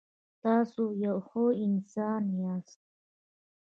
تاسو یو ښه انسان یاست.